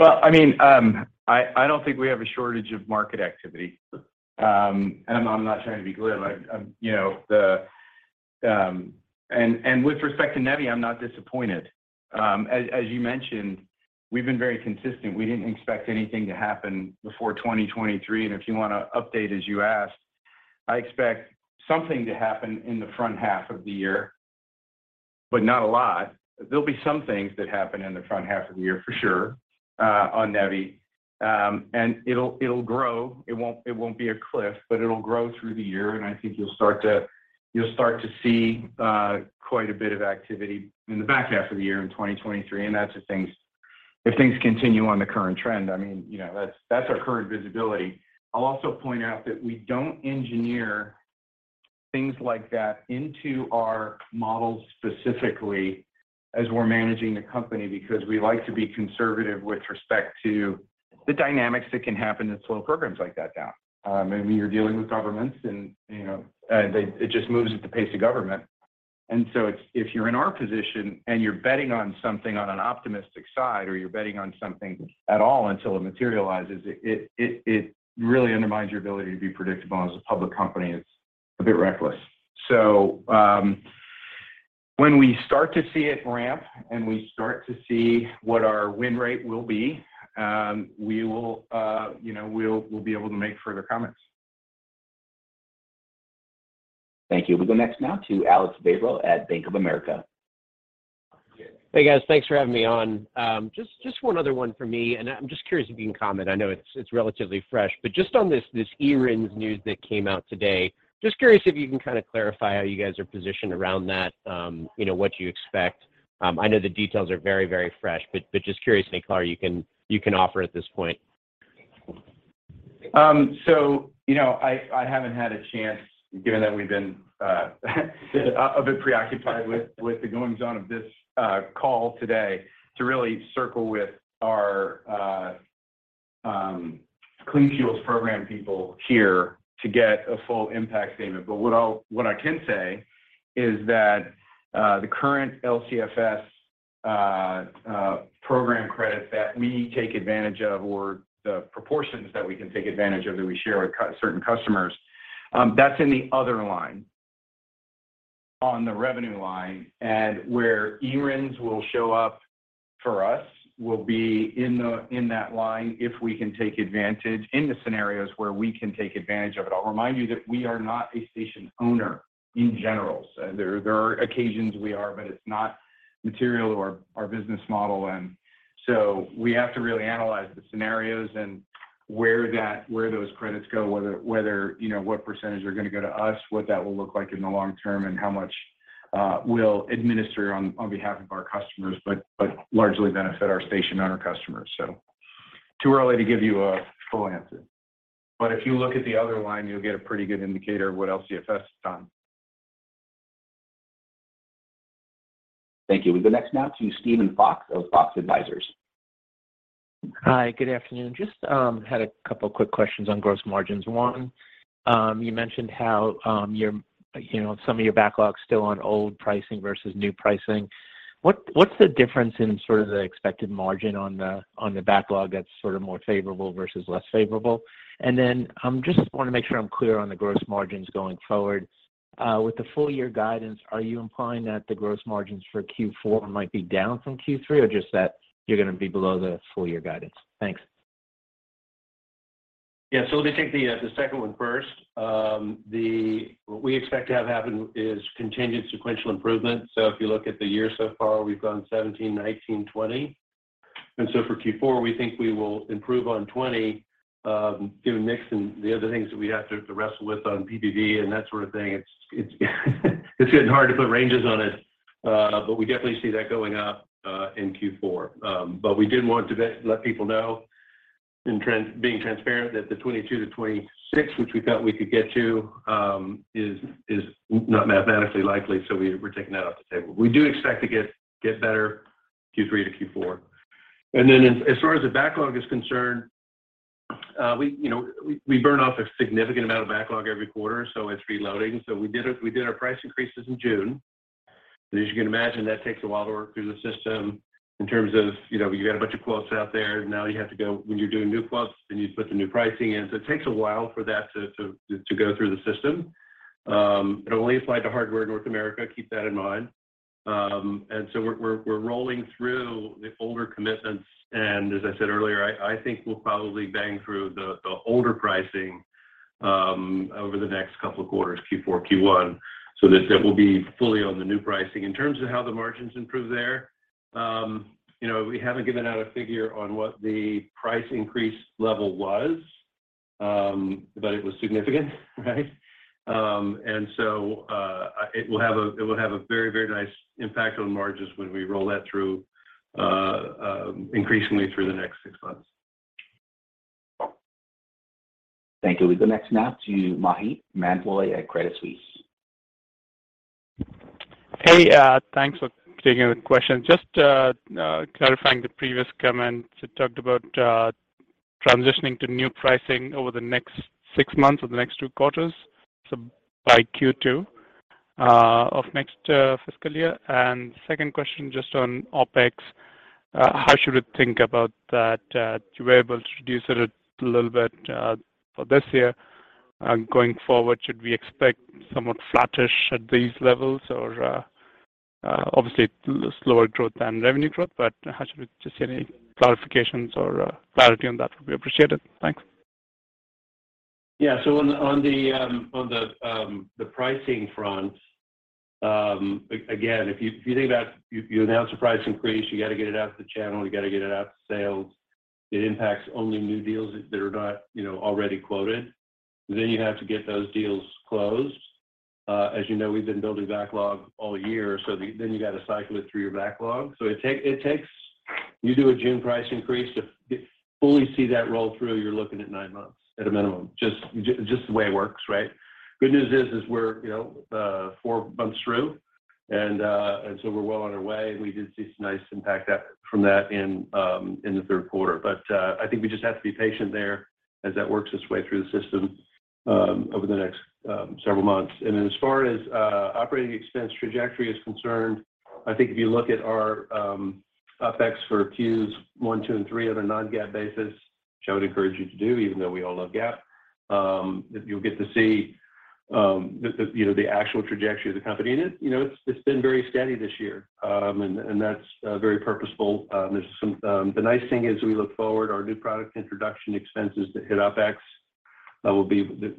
Well, I mean, I don't think we have a shortage of market activity. I'm not trying to be glib. I'm, you know, the... With respect to NEVI, I'm not disappointed. As you mentioned, we've been very consistent. We didn't expect anything to happen before 2023. If you wanna update, as you asked, I expect something to happen in the front half of the year, but not a lot. There'll be some things that happen in the front half of the year for sure, on NEVI. It'll grow. It won't, it won't be a cliff, but it'll grow through the year, and I think you'll start to see quite a bit of activity in the back half of the year in 2023. That's if things continue on the current trend. I mean, you know, that's our current visibility. I'll also point out that we don't engineer things like that into our models specifically as we're managing the company because we like to be conservative with respect to the dynamics that can happen that slow programs like that down. I mean, you're dealing with governments and, you know, it just moves at the pace of government. If you're in our position and you're betting on something on an optimistic side, or you're betting on something at all until it materializes, it really undermines your ability to be predictable. As a public company, it's a bit reckless. When we start to see it ramp and we start to see what our win rate will be, we will, you know, we'll be able to make further comments. Thank you. We go next now to Alex Vrabel at Bank of America. Hey, guys. Thanks for having me on. just one other one for me, and I'm just curious if you can comment. I know it's relatively fresh, but just on this NEVI news that came out today, just curious if you can kind of clarify how you guys are positioned around that, you know, what you expect. I know the details are very fresh, but just curious anything you can offer at this point. You know, I haven't had a chance given that we've been a bit preoccupied with the goings-on of this call today to really circle with our Clean Fuels Program people here to get a full impact statement. What I can say is that the current LCFS program credits that we take advantage of or the proportions that we can take advantage of that we share with certain customers, that's in the other line on the revenue line. Where NEVI will show up for us will be in that line if we can take advantage in the scenarios where we can take advantage of it. I'll remind you that we are not a station owner in general. There are occasions we are, but it's not material to our business model. We have to really analyze the scenarios and where those credits go, whether, you know, what percentage are gonna go to us, what that will look like in the long term, and how much we'll administer on behalf of our customers but largely benefit our station owner customers. Too early to give you a full answer. If you look at the other line, you'll get a pretty good indicator of what LCFS has done. Thank you. We go next now to Steven Fox of Fox Advisors. Hi, good afternoon. Just had a couple quick questions on gross margins. One, you mentioned how your, you know, some of your backlog's still on old pricing versus new pricing. What's the difference in sort of the expected margin on the backlog that's sort of more favorable versus less favorable? I'm just wanna make sure I'm clear on the gross margins going forward. With the full year guidance, are you implying that the gross margins for Q4 might be down from Q3 or just that you're gonna be below the full year guidance? Thanks. Let me take the second one first. What we expect to have happen is contingent sequential improvement. If you look at the year so far, we've gone 17, 19, 20. For Q4, we think we will improve on 20, given mix and the other things that we have to wrestle with on PPV and that sort of thing. It's getting hard to put ranges on it, but we definitely see that going up in Q4. We did want to let people know in being transparent that the 22 to 26, which we thought we could get to, is not mathematically likely, so we're taking that off the table. We do expect to get better Q3 to Q4. As far as the backlog is concerned, we, you know, we burn off a significant amount of backlog every quarter, so it's reloading. We did our price increases in June. As you can imagine, that takes a while to work through the system in terms of, you know, you got a bunch of quotes out there. When you're doing new quotes, then you put the new pricing in. It takes a while for that to go through the system. It'll only apply to hardware in North America, keep that in mind. We're rolling through the older commitments, and as I said earlier, I think we'll probably bang through the older pricing, over the next couple of quarters, Q4, Q1, so that we'll be fully on the new pricing. In terms of how the margins improve there, you know, we haven't given out a figure on what the price increase level was, but it was significant, right? It will have a very, very nice impact on margins when we roll that through, increasingly through the next six months. Thank you. We go next now to Maheep Mandloi at Credit Suisse. Hey, thanks for taking the question. Just clarifying the previous comments that talked about transitioning to new pricing over the next six months or the next two quarters, so by Q2 of next fiscal year. Second question just on OpEx. How should we think about that? You were able to reduce it a little bit for this year. Going forward, should we expect somewhat flattish at these levels or obviously slower growth than revenue growth, but just any clarifications or clarity on that would be appreciated. Thanks. Yeah. On, on the, on the pricing front, again, if you think about you announce a price increase, you got to get it out to the channel, you got to get it out to sales. It impacts only new deals that are not, you know, already quoted. You have to get those deals closed. As you know, we've been building backlog all year, so then you got to cycle it through your backlog. It takes. You do a June price increase, to fully see that roll through, you're looking at nine months at a minimum, just the way it works, right? Good news is we're, you know, four months through, and so we're well on our way, and we did see some nice impact from that in the third quarter. I think we just have to be patient there as that works its way through the system over the next several months. As far as operating expense trajectory is concerned, I think if you look at our OpEx for Qs one, two, and three on a non-GAAP basis, which I would encourage you to do, even though we all love GAAP, that you'll get to see, you know, the actual trajectory of the company. It, you know, it's been very steady this year. That's very purposeful. There's some. The nice thing is we look forward, our new product introduction expenses that hit OpEx,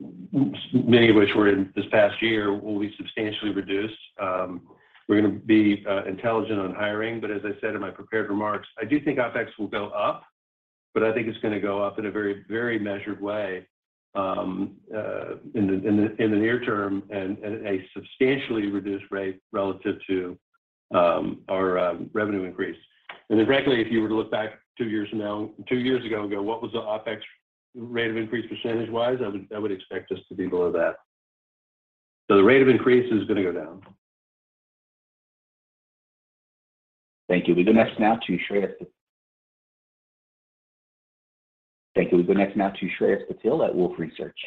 many of which were in this past year, will be substantially reduced. We're gonna be intelligent on hiring. As I said in my prepared remarks, I do think OpEx will go up, but I think it's gonna go up in a very, very measured way in the near term and at a substantially reduced rate relative to our revenue increase. Frankly, if you were to look back two years ago and go, "What was the OpEx rate of increase percentage-wise?" I would expect us to be below that. The rate of increase is gonna go down. Thank you. We go next now to Shreyas Patil at Wolfe Research.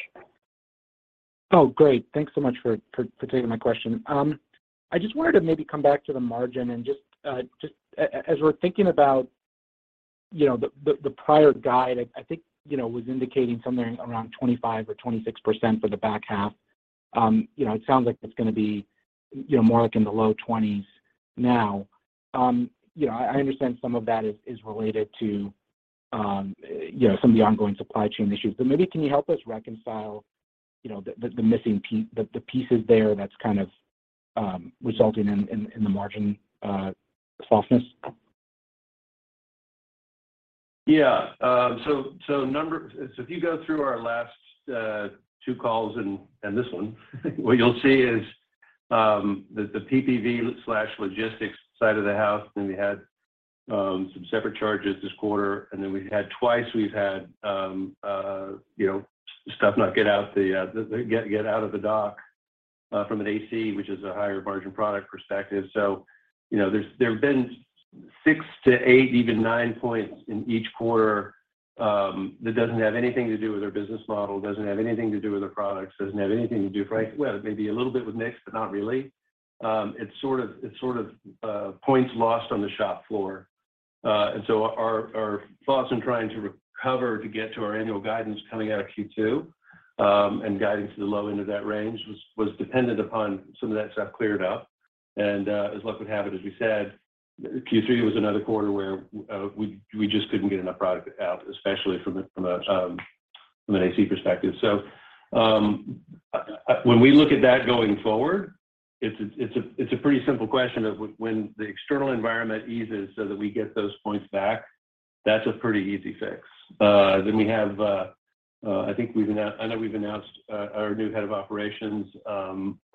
Great. Thanks so much for taking my question. I just wanted to maybe come back to the margin and just as we're thinking about, you know, the prior guide, I think, you know, was indicating somewhere around 25% or 26% for the back half. It sounds like it's gonna be, you know, more like in the low 20s now. I understand some of that is related to, you know, some of the ongoing supply chain issues. Maybe can you help us reconcile, you know, the missing pieces there that's kind of resulting in the margin softness? Yeah. So number-- If you go through our last, two calls and this one, what you'll see is, that the PPV/logistics side of the house. We had some separate charges this quarter. Then twice we've had, you know, stuff not get out the... get out of the dock, from an AC, which is a higher margin product perspective. You know, there's, there have been 6 to 8, even 9 points in each quarter, that doesn't have anything to do with our business model, doesn't have anything to do with our products, doesn't have anything to do. Well, it may be a little bit with mix, but not really. It's sort of, points lost on the shop floor. Our, our thoughts in trying to recover to get to our annual guidance coming out of Q2, and guiding to the low end of that range was dependent upon some of that stuff cleared up. As luck would have it, as we said, Q3 was another quarter where we just couldn't get enough product out, especially from an AC perspective. When we look at that going forward, it's a pretty simple question of when the external environment eases so that we get those points back, that's a pretty easy fix. We have, I think we've I know we've announced our new head of operations.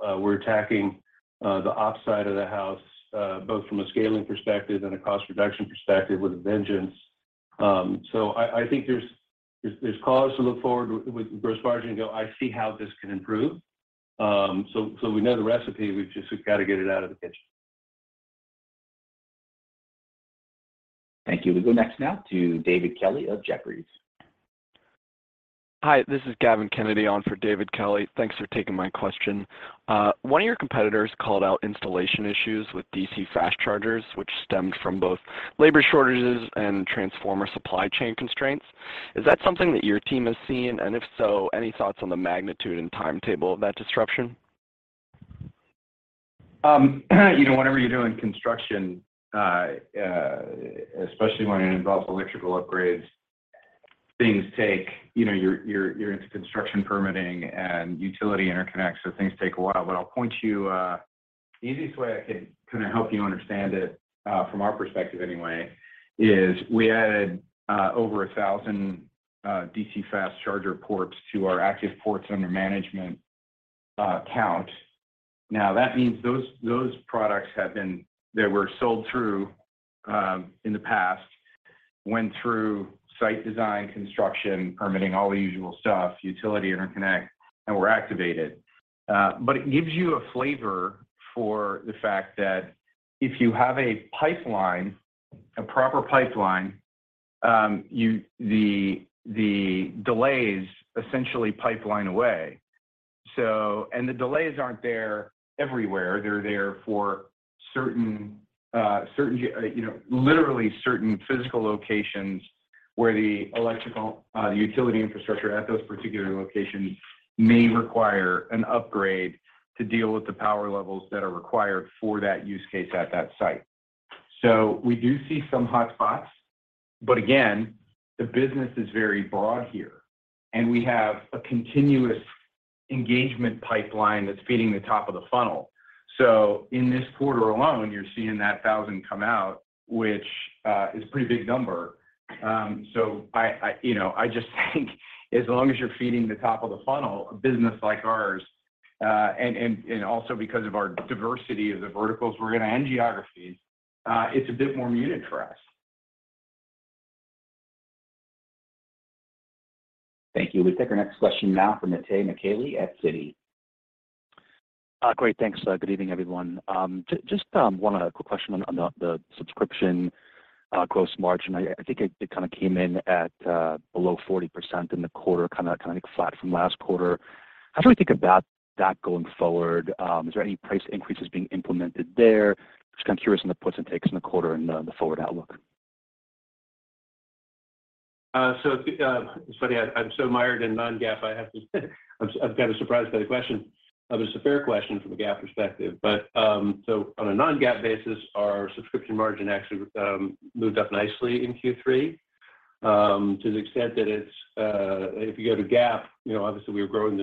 We're attacking the OpEx side of the house both from a scaling perspective and a cost reduction perspective with a vengeance. I think there's cause to look forward with gross margin and go, "I see how this can improve." We know the recipe. We've got to get it out of the kitchen. Thank you. We go next now to David Kelley of Jefferies. Hi, this is Gavin Kennedy on for David Kelley. Thanks for taking my question. One of your competitors called out installation issues with DC fast chargers, which stemmed from both labor shortages and transformer supply chain constraints. Is that something that your team has seen? If so, any thoughts on the magnitude and timetable of that disruption? You know, whenever you're doing construction, especially when it involves electrical upgrades, things take. You know, you're into construction permitting and utility interconnect, so things take a while. I'll point you. The easiest way I can kind of help you understand it from our perspective anyway, is we added over 1,000 DC fast charger ports to our active ports under management count. That means those products they were sold through in the past, went through site design, construction, permitting, all the usual stuff, utility interconnect, and were activated. It gives you a flavor for the fact that if you have a pipeline, a proper pipeline, the delays essentially pipeline away. The delays aren't there everywhere. They're there for certain, you know, literally certain physical locations where the electrical, the utility infrastructure at those particular locations may require an upgrade to deal with the power levels that are required for that use case at that site. We do see some hotspots, but again, the business is very broad here, and we have a continuous engagement pipeline that's feeding the top of the funnel. In this quarter alone, you're seeing that 1,000 come out, which is a pretty big number. I, you know, I just think as long as you're feeding the top of the funnel, a business like ours, and also because of our diversity of the verticals we're in and geographies, it's a bit more muted for us. Thank you. We take our next question now from Itay Michaeli at Citi. Great. Thanks. Good evening, everyone. Just one quick question on the subscription gross margin. I think it kinda came in at below 40% in the quarter, kinda like flat from last quarter. How do we think about that going forward? Is there any price increases being implemented there? Just kinda curious on the puts and takes in the quarter and the forward outlook. It's funny, I'm so mired in non-GAAP, I'm kinda surprised by the question. It's a fair question from a GAAP perspective. On a non-GAAP basis, our subscription margin actually moved up nicely in Q3. To the extent that it's, if you go to GAAP, you know, obviously we're growing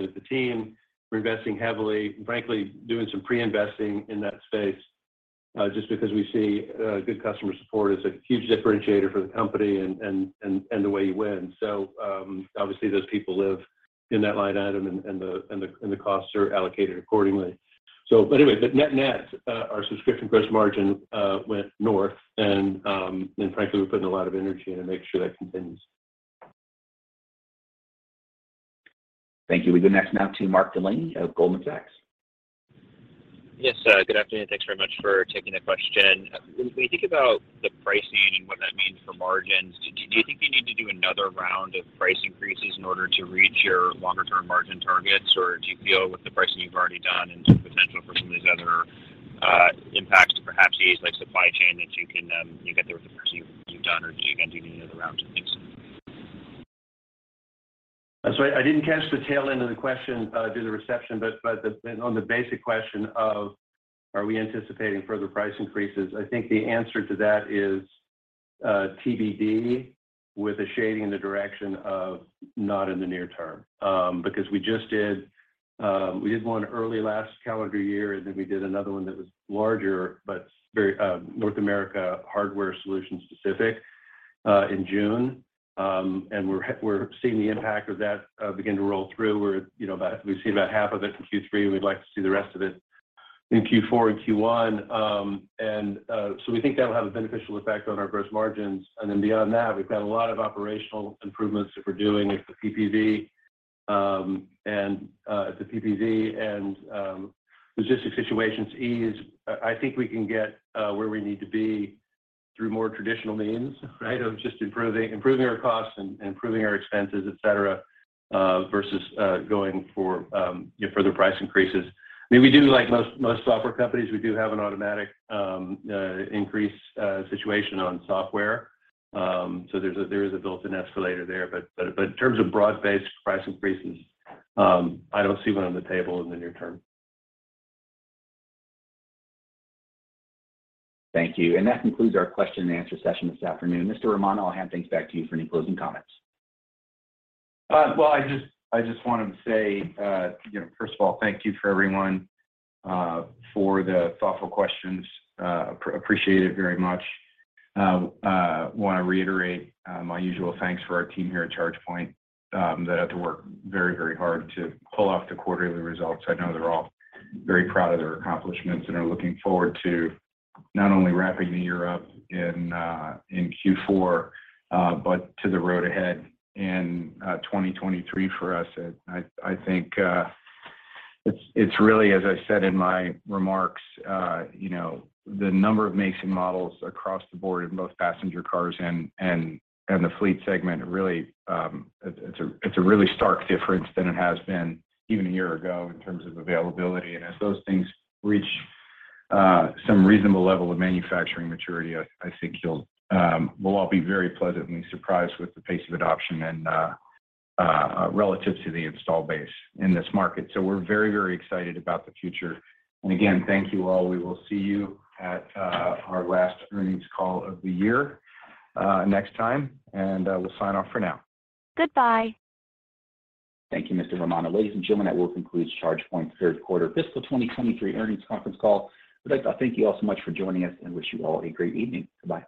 as a team. We're investing heavily, frankly, doing some pre-investing in that space, just because we see good customer support as a huge differentiator for the company and the way you win. Obviously those people live in that line item and the costs are allocated accordingly. Net-net, our subscription gross margin went north and, frankly, we're putting a lot of energy in to make sure that continues. Thank you. We go next now to Mark Delaney of Goldman Sachs. Yes, good afternoon. Thanks very much for taking the question. When you think about the pricing and what that means for margins, do you think you need to do another round of price increases in order to reach your longer term margin targets? Do you feel with the pricing you've already done and some potential for some of these other impacts to perhaps ease like supply chain that you can get there with the pricing you've done, or do you gonna do any other rounds of increases? Sorry, I didn't catch the tail end of the question due to the reception, on the basic question of are we anticipating further price increases, I think the answer to that is TBD with a shading in the direction of not in the near term. Because we just did, we did one early last calendar year, then we did another one that was larger, but very North America hardware solution specific in June. We're seeing the impact of that begin to roll through. We're at, you know, we've seen about half of it in Q3, and we'd like to see the rest of it in Q4 and Q1. We think that'll have a beneficial effect on our gross margins. Beyond that, we've got a lot of operational improvements that we're doing with the PPV, and the PPV and logistics situations ease. I think we can get where we need to be through more traditional means, right? Of just improving our costs and improving our expenses, et cetera, versus going for, you know, further price increases. I mean, we do like most software companies, we do have an automatic increase situation on software. There's a built-in escalator there. In terms of broad-based price increases, I don't see one on the table in the near term. Thank you. That concludes our question-and-answer session this afternoon. Mr. Romano, I'll hand things back to you for any closing comments. Well, I just wanted to say, you know, first of all, thank you for everyone, for the thoughtful questions. Appreciate it very much. Wanna reiterate my usual thanks for our team here at ChargePoint that had to work very hard to pull off the quarterly results. I know they're all very proud of their accomplishments and are looking forward to not only wrapping the year up in Q4, but to the road ahead in 2023 for us. I think it's really, as I said in my remarks, you know, the number of makes and models across the board in both passenger cars and the fleet segment really, it's a really stark difference than it has been even a year ago in terms of availability. As those things reach some reasonable level of manufacturing maturity, I think we'll all be very pleasantly surprised with the pace of adoption and relative to the install base in this market. We're very, very excited about the future. Again, thank you all. We will see you at our last earnings call of the year next time. We'll sign off for now. Goodbye. Thank you, Mr. Romano. Ladies and gentlemen, that will conclude ChargePoint's third quarter fiscal 2023 earnings conference call. I'd like to thank you all so much for joining us and wish you all a great evening. Goodbye.